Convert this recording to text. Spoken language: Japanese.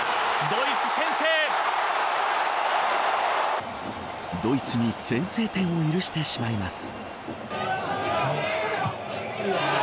ドイツに先制点を許してしまいます。